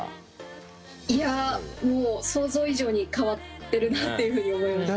いやもう想像以上に変わってるなっていうふうに思いました。